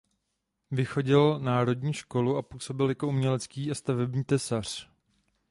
Vychodil národní školu a působil jako umělecký a stavební tesař.